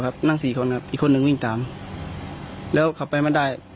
นั่งสี่คนครับอีกคนนึงวิ่งตามแล้วขับไปไม่ได้